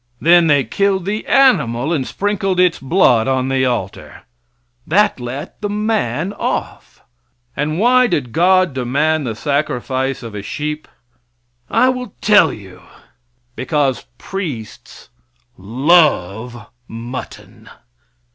Then they killed the animal, and sprinkled its blood on the altar. That let the man off. And why did God demand the sacrifice of a sheep? I will tell you; because priests love mutton.